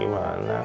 ya ampun papi